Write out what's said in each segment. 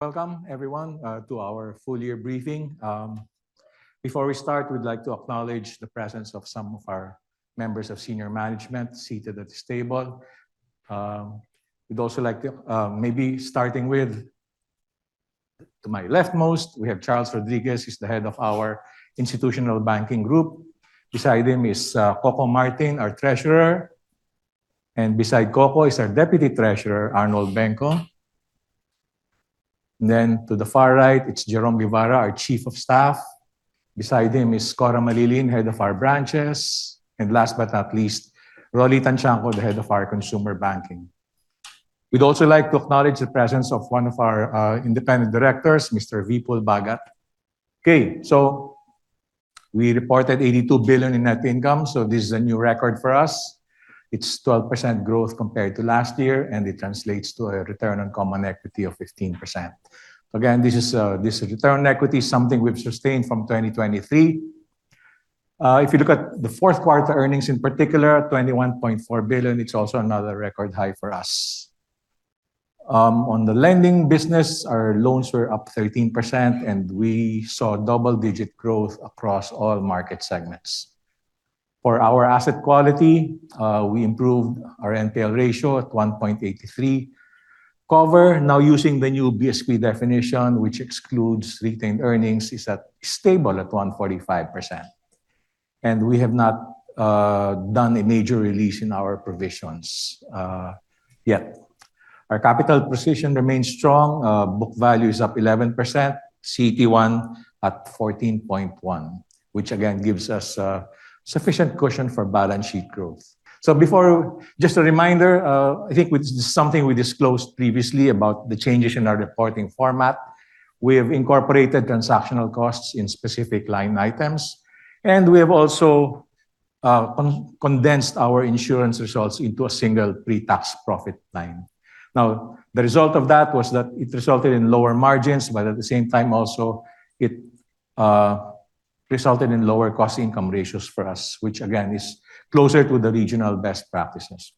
Welcome everyone to our full year briefing. Before we start, we'd like to acknowledge the presence of some of our members of senior management seated at this table. We'd also like to, we have Charles Rodriguez. He's the head of our institutional banking group. Beside him is Koko Martin, our treasurer. Beside Koko is our deputy treasurer, Arnold Bengco. To the far right, it's Jerome Guevarra, our chief of staff. Beside him is Cora Mallillin, head of our branches. Last but not least, Rolly Tanchanco, the head of our consumer banking. We'd also like to acknowledge the presence of one of our independent directors, Mr. Vipul Bhagat. We reported 82 billion in net income, this is a new record for us. It's 12% growth compared to last year, it translates to a return on common equity of 15%. Again, this return on equity is something we've sustained from 2023. If you look at the fourth quarter earnings, in particular, 21.4 billion, it's also another record high for us. On the lending business, our loans were up 13%, we saw double-digit growth across all market segments. For our asset quality, we improved our NPL ratio at 1.83%. Cover, now using the new BSP definition, which excludes retained earnings, is at stable at 145%. We have not done a major release in our provisions yet. Our capital position remains strong. Book value is up 11%, CET1 at 14.1%, which again gives us sufficient cushion for balance sheet growth. Just a reminder, I think this is something we disclosed previously about the changes in our reporting format. We have incorporated transactional costs in specific line items, we have also condensed our insurance results into a single pre-tax profit line. The result of that was that it resulted in lower margins, at the same time also it resulted in lower cost income ratios for us, which again is closer to the regional best practices.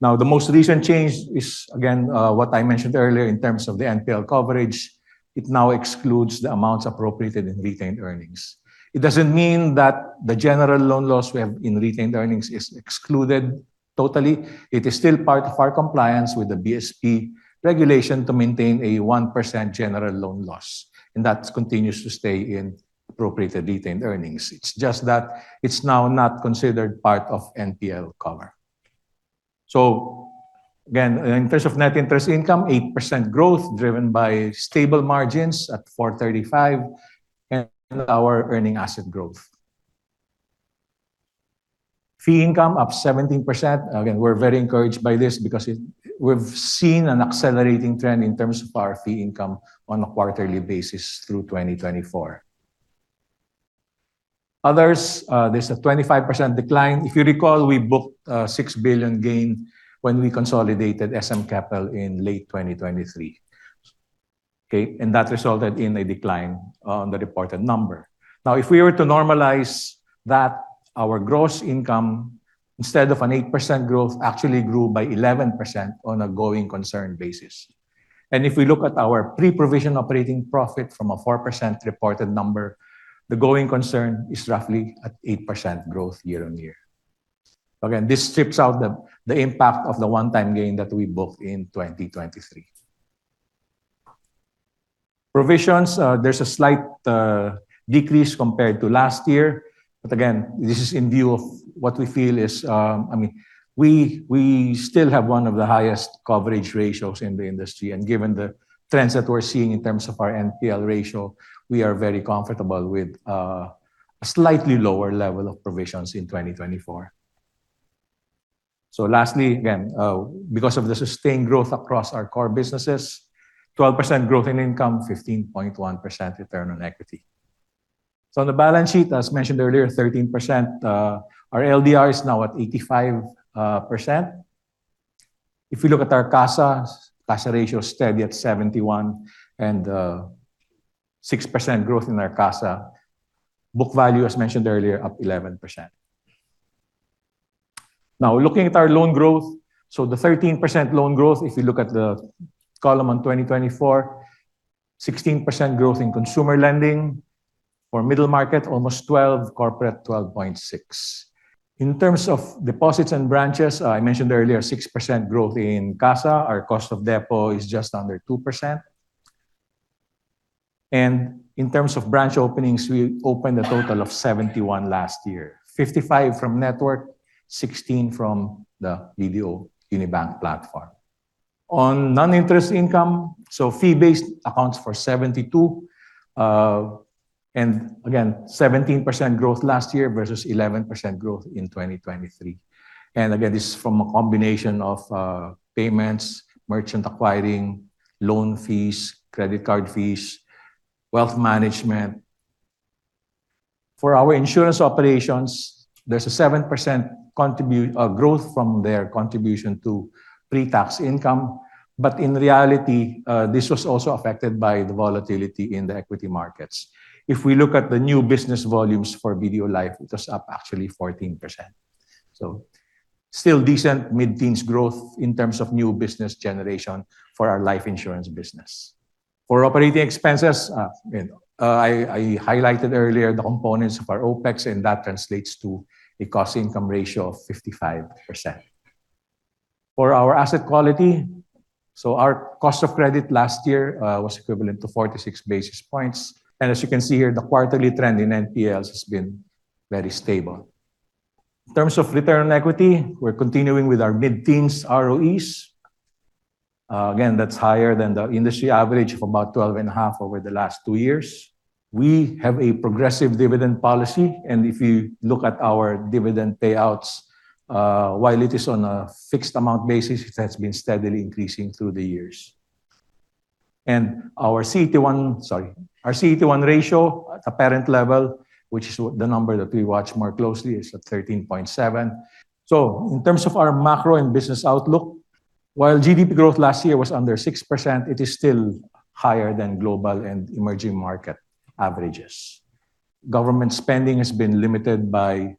The most recent change is, again, what I mentioned earlier in terms of the NPL coverage. It now excludes the amounts appropriated in retained earnings. It doesn't mean that the general loan loss we have in retained earnings is excluded totally. It is still part of our compliance with the BSP regulation to maintain a 1% general loan loss, that continues to stay in appropriately retained earnings. It's just that it's now not considered part of NPL cover. Again, in terms of net interest income, 8% growth driven by stable margins at 4.35% and our earning asset growth. Fee income up 17%. Again, we're very encouraged by this because we've seen an accelerating trend in terms of our fee income on a quarterly basis through 2024. Others, there's a 25% decline. If you recall, we booked a 6 billion gain when we consolidated SM Capital in late 2023. That resulted in a decline on the reported number. If we were to normalize that, our gross income, instead of an 8% growth, actually grew by 11% on a going concern basis. If we look at our pre-provision operating profit from a 4% reported number, the going concern is roughly at 8% growth year-over-year. Again, this strips out the impact of the one-time gain that we booked in 2023. Provisions, there's a slight decrease compared to last year. Again, this is in view of what we feel. We still have one of the highest coverage ratios in the industry, and given the trends that we're seeing in terms of our NPL ratio, we are very comfortable with a slightly lower level of provisions in 2024. Lastly, again, because of the sustained growth across our core businesses, 12% growth in income, 15.1% return on equity. On the balance sheet, as mentioned earlier, 13%. Our LDR is now at 85%. If we look at our CASA ratio steady at 71% and 6% growth in our CASA. Book value, as mentioned earlier, up 11%. Looking at our loan growth, the 13% loan growth, if you look at the column on 2024, 16% growth in consumer lending. For middle market, almost 12%, corporate 12.6%. In terms of deposits and branches, I mentioned earlier 6% growth in CASA. Our cost of deposit is just under 2%. In terms of branch openings, we opened a total of 71 last year, 55 from network, 16 from the BDO Unibank platform. On non-interest income, fee-based accounts for 72%. Again, 17% growth last year versus 11% growth in 2023. Again, this is from a combination of payments, merchant acquiring, loan fees, credit card fees, wealth management. For our insurance operations, there's a 7% growth from their contribution to pre-tax income. In reality, this was also affected by the volatility in the equity markets. If we look at the new business volumes for BDO Life, it was up actually 14%. Still decent mid-teens growth in terms of new business generation for our life insurance business. For operating expenses, I highlighted earlier the components of our OPEX, and that translates to a cost-to-income ratio of 55%. For our asset quality, our cost of credit last year was equivalent to 46 basis points. As you can see here, the quarterly trend in NPLs has been very stable. In terms of return on equity, we're continuing with our mid-teens ROEs. Again, that's higher than the industry average of about 12.5% over the last two years. We have a progressive dividend policy, if you look at our dividend payouts, while it is on a fixed amount basis, it has been steadily increasing through the years. Our CET1 ratio at a parent level, which is the number that we watch more closely, is at 13.7%. In terms of our macro and business outlook, while GDP growth last year was under 6%, it is still higher than global and emerging market averages. Government spending has been limited by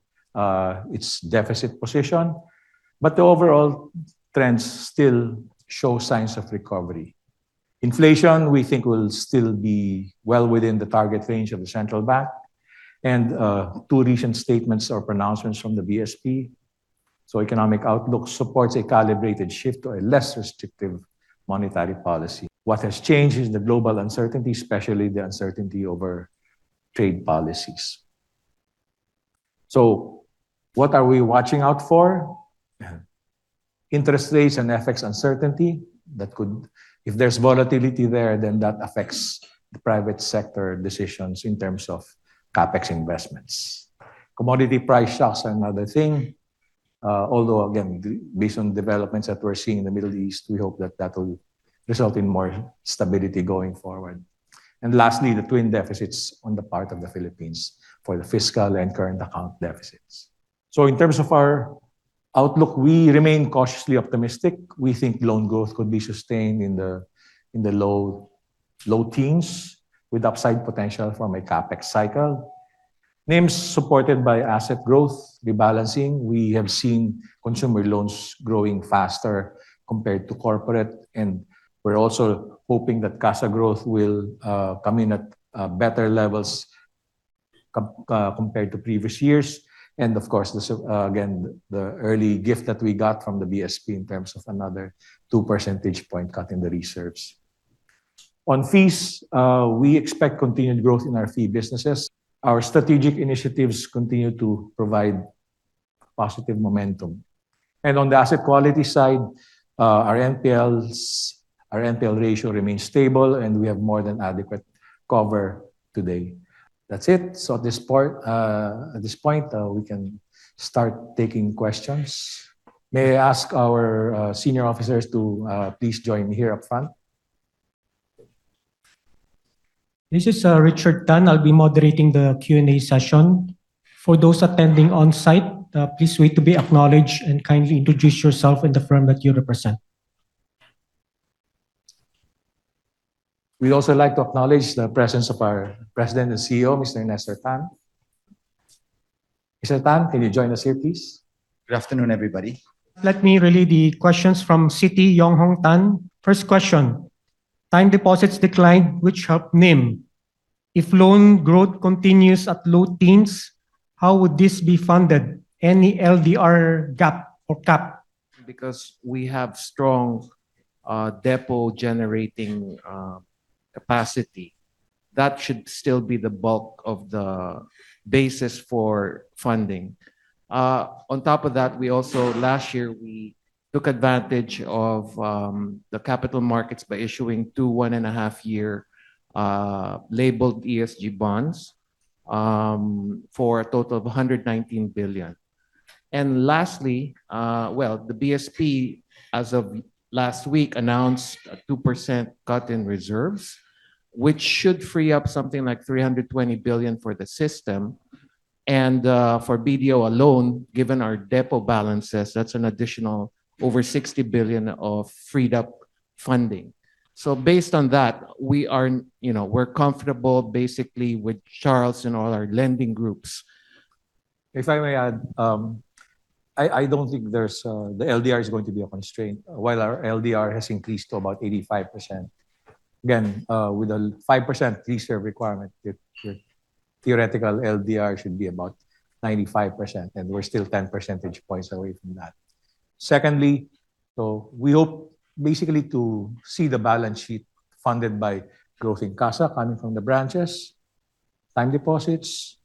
its deficit position, but the overall trends still show signs of recovery. Inflation, we think will still be well within the target range of the central bank and two recent statements or pronouncements from the BSP. Economic outlook supports a calibrated shift to a less restrictive monetary policy. What has changed is the global uncertainty, especially the uncertainty over trade policies. What are we watching out for? Interest rates and FX uncertainty. If there's volatility there, that affects the private sector decisions in terms of CapEx investments. Commodity price shocks are another thing, although again, based on developments that we're seeing in the Middle East, we hope that that will result in more stability going forward. Lastly, the twin deficits on the part of the Philippines for the fiscal and current account deficits. In terms of our outlook, we remain cautiously optimistic. We think loan growth could be sustained in the low teens with upside potential from a CapEx cycle. NIM's supported by asset growth rebalancing. We have seen consumer loans growing faster compared to corporate, and we're also hoping that CASA growth will come in at better levels compared to previous years. Of course, again, the early gift that we got from the BSP in terms of another two percentage point cut in the reserves. On fees, we expect continued growth in our fee businesses. Our strategic initiatives continue to provide positive momentum. On the asset quality side, our NPL ratio remains stable, and we have more than adequate cover today. That's it. At this point, we can start taking questions. May I ask our senior officers to please join me here up front? This is Richard Tan. I'll be moderating the Q&A session. For those attending on-site, please wait to be acknowledged and kindly introduce yourself and the firm that you represent. We'd also like to acknowledge the presence of our President and CEO, Mr. Ernesto Tan. Mr. Tan, can you join us here, please? Good afternoon, everybody. Let me relay the questions from Citi, Tan Yong Hong. First question, time deposits declined, which helped NIM. If loan growth continues at low teens, how would this be funded? Any LDR gap or cap? We have strong deposit generating capacity. That should still be the bulk of the basis for funding. On top of that, last year, we took advantage of the capital markets by issuing two one and a half year labeled ESG bonds for a total of 119 billion. Lastly, well, the BSP, as of last week, announced a 2% cut in reserves, which should free up something like 320 billion for the system. For BDO alone, given our deposit balances, that's an additional over 60 billion of freed up funding. Based on that, we're comfortable basically with Charles and all our lending groups. If I may add, I don't think the LDR is going to be a constraint. While our LDR has increased to about 85%. Again, with a 5% reserve requirement, your theoretical LDR should be about 95%, and we're still 10 percentage points away from that. Secondly, we hope basically to see the balance sheet funded by growth in CASA coming from the branches, time deposits,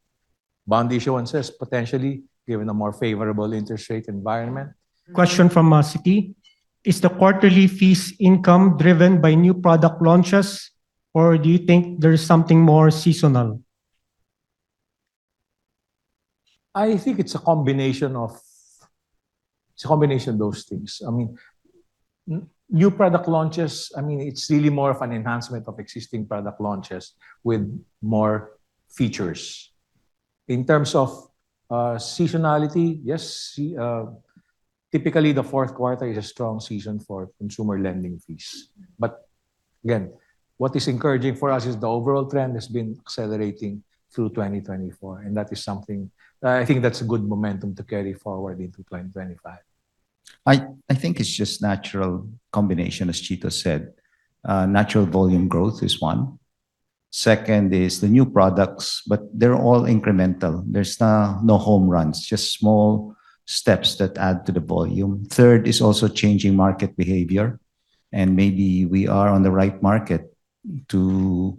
bond issuances potentially, given a more favorable interest rate environment. Question from Citi. Is the quarterly fees income driven by new product launches, or do you think there is something more seasonal? I think it's a combination of those things. New product launches, it's really more of an enhancement of existing product launches with more features. In terms of seasonality, yes. Typically, the fourth quarter is a strong season for consumer lending fees. Again, what is encouraging for us is the overall trend has been accelerating through 2024, and I think that's a good momentum to carry forward into 2025. I think it's just natural combination, as Chito said. Natural volume growth is one. Second is the new products, they're all incremental. There's no home runs, just small steps that add to the volume. Third is also changing market behavior, maybe we are on the right market to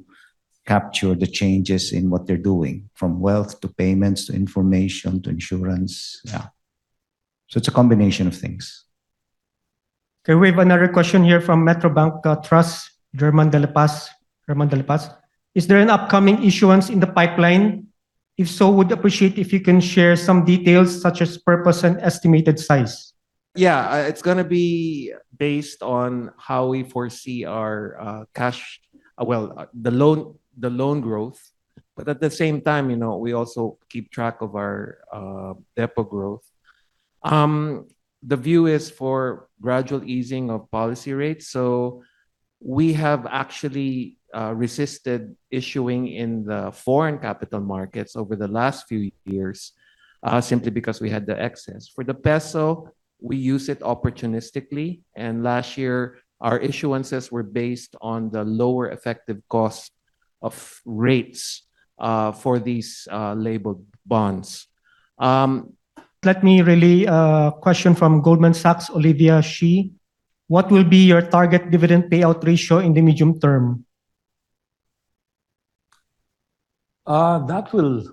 capture the changes in what they're doing, from wealth to payments, to information, to insurance. Yeah. It's a combination of things. Okay, we have another question here from Metrobank Trust, German Delapas, Romando Delapas. Is there an upcoming issuance in the pipeline? If so, would appreciate if you can share some details, such as purpose and estimated size. Yeah. It's going to be based on how we foresee our cash. Well, the loan growth. At the same time, we also keep track of our deposit growth. The view is for gradual easing of policy rates. We have actually resisted issuing in the foreign capital markets over the last few years, simply because we had the excess. For the peso, we use it opportunistically, and last year our issuances were based on the lower effective cost of rates for these labeled bonds. Let me relay a question from Goldman Sachs, Olivia Shi. What will be your target dividend payout ratio in the medium term? That will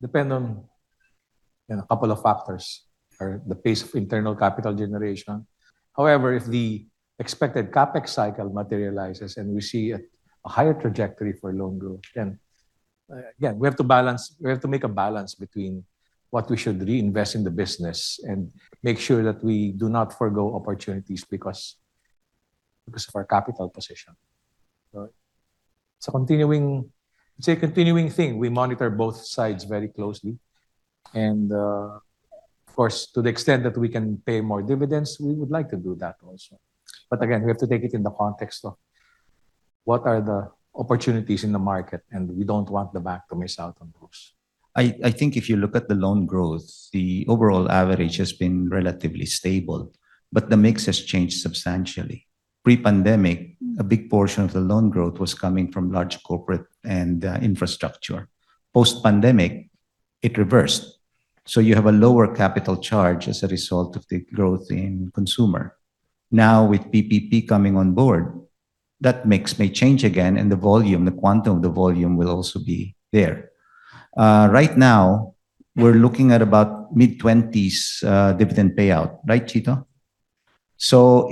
depend on a couple of factors. The pace of internal capital generation. However, if the expected CapEx cycle materializes and we see a higher trajectory for loan growth, again, we have to make a balance between what we should reinvest in the business and make sure that we do not forgo opportunities because of our capital position. It's a continuing thing. We monitor both sides very closely and, of course, to the extent that we can pay more dividends, we would like to do that also. Again, we have to take it in the context of what are the opportunities in the market, and we don't want the bank to miss out on those. If you look at the loan growth, the overall average has been relatively stable, but the mix has changed substantially. Pre-pandemic, a big portion of the loan growth was coming from large corporate and infrastructure. Post-pandemic, it reversed. You have a lower capital charge as a result of the growth in consumer. Now with PPP coming on board, that mix may change again, and the volume, the quantum of the volume will also be there. Right now we're looking at about mid-20s dividend payout. Right, Chito?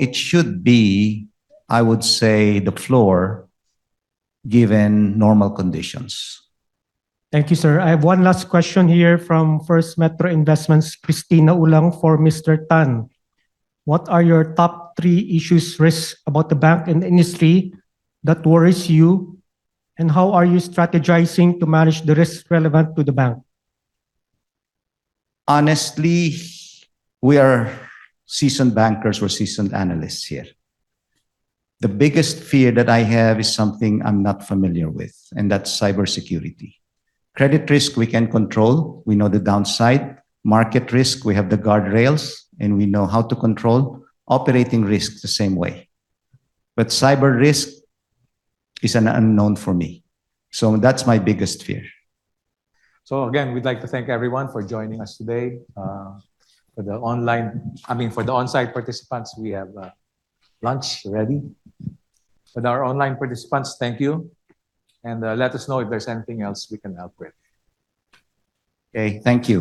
It should be, I would say, the floor, given normal conditions. Thank you, sir. I have one last question here from First Metro Investments, Cristina Ulang, for Mr. Tan. What are your top three issues, risks about the bank and the industry that worries you? How are you strategizing to manage the risks relevant to the bank? Honestly, we are seasoned bankers. We're seasoned analysts here. The biggest fear that I have is something I'm not familiar with, and that's cybersecurity. Credit risk, we can control. We know the downside. Market risk, we have the guardrails, and we know how to control. Operating risk, the same way. Cyber risk is an unknown for me, that's my biggest fear. Again, we'd like to thank everyone for joining us today. For the onsite participants, we have lunch ready. For our online participants, thank you, and let us know if there's anything else we can help with. Okay. Thank you.